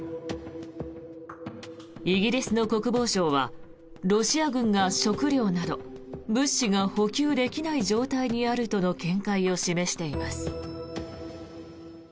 イギリスの国防省はロシア軍が食料など物資が補給できない状態にあるとの見解を示しています。